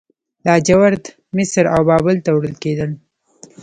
لاجورد مصر او بابل ته وړل کیدل